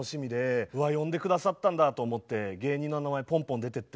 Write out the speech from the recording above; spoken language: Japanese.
うわ呼んで下さったんだと思って芸人の名前ポンポン出てて。